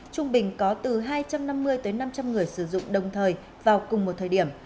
trung bình có từ hai trăm năm mươi tới năm trăm linh người sử dụng đồng thời vào cùng một thời điểm